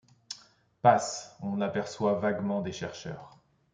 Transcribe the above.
Passent ; on aperçoit vaguement des chercheurs